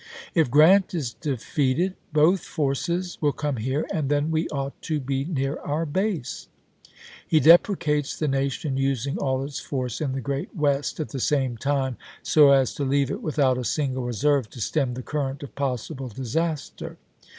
If Grant is defeated both forces will come here, and then we ought to be near our base." n.id.,p. 9. He deprecates the nation using all its force in the great West at the same time, so as to leave it with out a single reserve to stem the current of possible disaster.